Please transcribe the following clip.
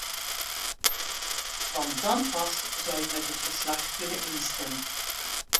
Want dan pas zou ik met het verslag kunnen instemmen.